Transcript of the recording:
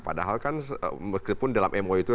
padahal kan meskipun dalam mo itu